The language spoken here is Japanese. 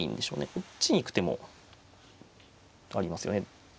こっちに行く手もありますよね。